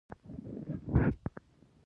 ځانګړتياوو ته په کندهار کښي خوباياني هم وايي.